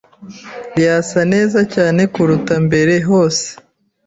Yasa neza cyane kuruta mbere hose.